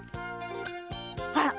あら！